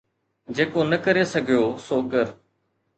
جيڪو نه ڪري سگهيو سو ڪر